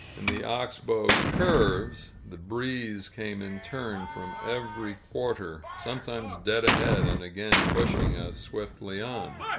In the ox bow curves, the breeze came in turn from every quarter, sometimes dead ahead and again pushing us swiftly on.